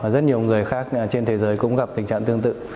rất nhiều người khác trên thế giới cũng gặp tình trạng tương tự